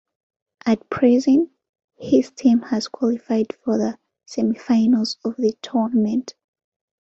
At present, his team has qualified for the semifinals of the tournament.